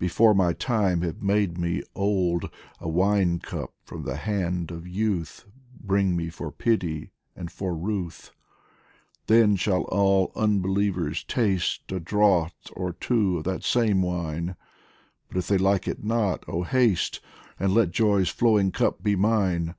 Before my time have made me old ; A wine cup from the hand of Youth Bring me for pity and for ruth ! Then shall all unbelievers taste A draught or two of that same wine ; But if they like it not, oh haste ! And let joy's flowing cup be mine.